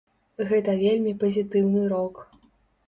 Гэта вельмі пазітыўны крок.